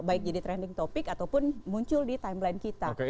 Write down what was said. baik jadi trending topic ataupun muncul di timeline kita